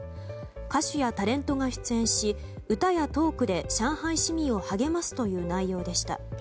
歌手やタレントが出演し歌やトークで上海市民を励ますという内容でした。